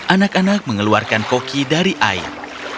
anak anak mengeluarkan koki dari air